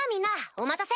お待たせ！